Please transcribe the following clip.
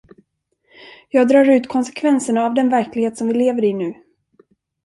Jag drar ut konsekvenserna av den verklighet som vi lever i nu.